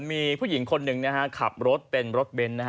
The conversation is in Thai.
มีผู้หญิงคนหนึ่งนะฮะขับรถเป็นรถเบนท์นะฮะ